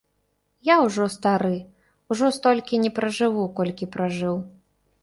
Я ўжо стары, ужо столькі не пражыву, колькі пражыў.